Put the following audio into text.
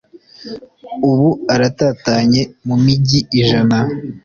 Ubu aratatanye mu mijyi ijana